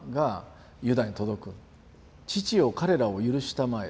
「父よ彼らをゆるしたまえ。